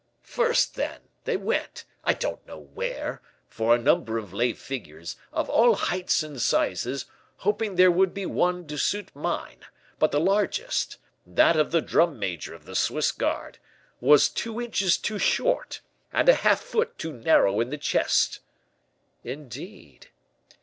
"First, then, they went, I don't know where, for a number of lay figures, of all heights and sizes, hoping there would be one to suit mine, but the largest that of the drum major of the Swiss guard was two inches too short, and a half foot too narrow in the chest." "Indeed!"